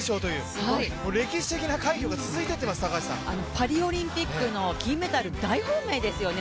パリオリンピックの金メダル大本命ですよね。